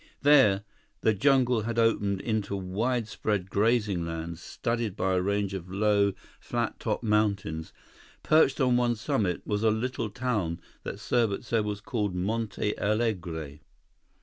There, the jungle had opened into widespread grazing lands, studded by a range of low, flat topped mountains. Perched on one summit was a little town that Serbot said was called Monte Alegre.